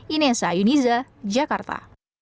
inessa yuniza jakarta